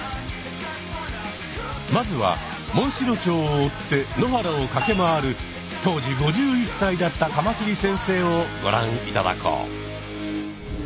まずはモンシロチョウを追って野原をかけまわる当時５１歳だったカマキリ先生をご覧いただこう。